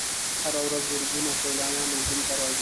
هره ورځ زرګونه سیلانیان اردن ته راځي.